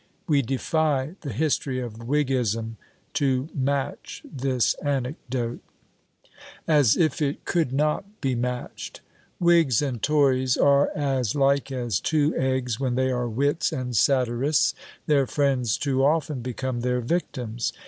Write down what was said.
We defy the history of Whiggism to match this anecdote," as if it could not be matched! Whigs and Tories are as like as two eggs when they are wits and satirists; their friends too often become their victims!